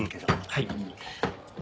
はい。